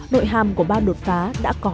nội hàm của ba đột phá đã có